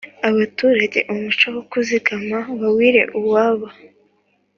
abaturage umuco wo kuzigama bawire uwabo